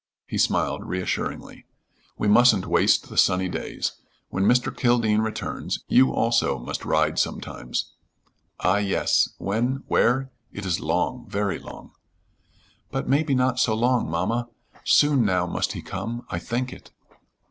He smiled reassuringly: "We mustn't waste the sunny days. When Mr. Kildene returns, you also must ride sometimes." "Ah, yes. When? When? It is long very long." "But, maybe, not so long, mamma. Soon now must he come. I think it."